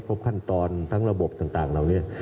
ครบขั้นตอนทั้งระบบต่างเราเนี่ย